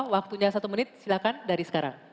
waktunya satu menit silakan dari sekarang